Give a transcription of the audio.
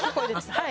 はい。